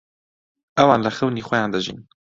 ئەوان لە خەونی خۆیان دەژین.